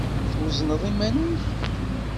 Twezneḍ iman-ik?